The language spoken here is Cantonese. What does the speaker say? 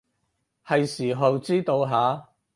喺時候知道下